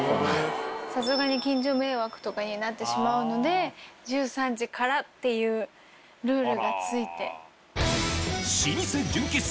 さすがに近所迷惑とかになってしまうので１３時からっていうルールがついて。